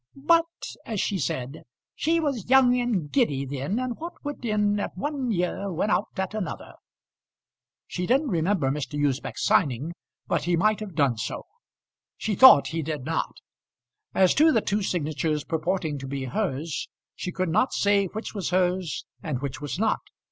"But," as she said, "she was young and giddy then, and what went in at one ear went out at another." She didn't remember Mr. Usbech signing, but he might have done so. She thought he did not. As to the two signatures purporting to be hers, she could not say which was hers and which was not.